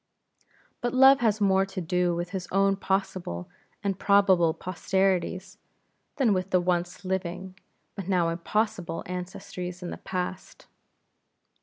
IV. But Love has more to do with his own possible and probable posterities, than with the once living but now impossible ancestries in the past.